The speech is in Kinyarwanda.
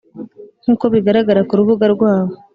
nkuko bigaragara ku rubuga rwabo